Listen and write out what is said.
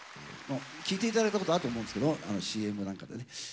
聴いて頂いたことあると思うんですけどＣＭなんかでね。